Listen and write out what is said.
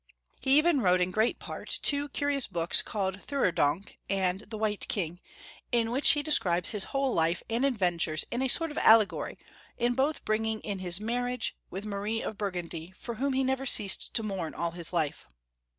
He even wrote in great part two curious books called " Theurdank " and " The White King," in which he describes his whole life and adventures in a sort of allegory, in both bring ing in his marriage Avith Marie of Burgundy, for whom he never ceased to mourn all liis life.